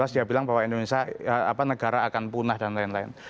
dia bilang bahwa indonesia negara akan punah dan lain lain